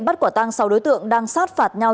bắt quả tăng sáu đối tượng đang sát phạt nhau